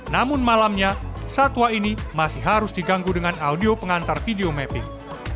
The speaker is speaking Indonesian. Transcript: namun malamnya satwa ini masih harus diganggu dengan audio pengantar video mapping